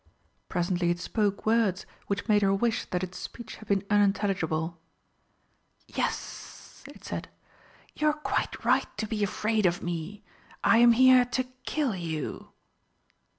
Presently it spoke words which made her wish that its speech had been unintelligible. "Yes," it said, "you are quite right to be afraid of me. I am here to kill you."